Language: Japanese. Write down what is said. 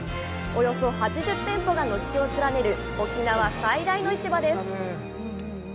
およそ８０店舗が軒を連ねる沖縄最大の市場です。